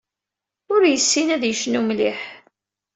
Ur yessin ad yecnu mliḥ.